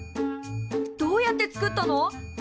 どうやって作ったの？